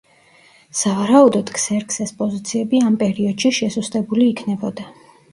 სავარაუდოდ, ქსერქსეს პოზიციები ამ პერიოდში შესუსტებული იქნებოდა.